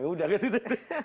ya udah kasih rendang